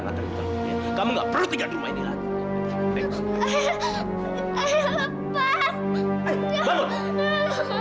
kalau kamu mau pukul pukul aja aku jangan nimbahi clara